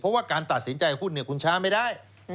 เพราะว่าการตัดสินใจหุ้นคุณช้าไม่ได้